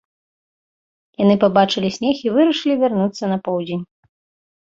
Яны пабачылі снег і вырашылі вярнуцца на поўдзень.